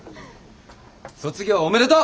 卒業おめでとう！